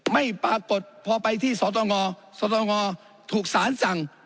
ไม่ปรากฏพอไปที่สตงสตงถูกสารสั่ง